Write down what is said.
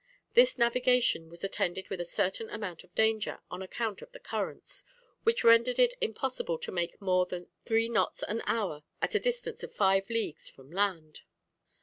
This navigation was attended with a certain amount of danger, on account of the currents, "which rendered it impossible to make more than three knots an hour at a distance of five leagues from land."